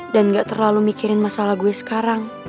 dan nggak terlalu mikirin masalah gue sekarang